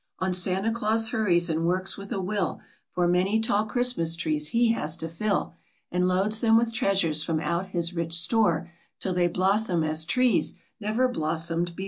On Santa Claus hurries, and works with a will, For many tall Christmas trees he has to fill, And loads them with treasures from out his rich store, Till they blossom as trees never blossomed before.